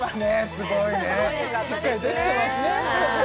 すごいねしっかりできてますね